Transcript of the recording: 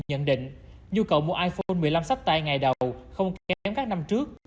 nhận định nhu cầu mua iphone một mươi năm sắp tay ngày đầu không kém các năm trước